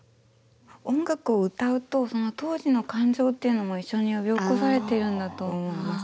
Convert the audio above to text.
音楽を歌うとその当時の感情というのも一緒に呼び起こされてるんだと思います。